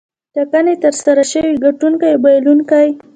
ټاکنې ترسره شوې ګټونکی او بایلونکی.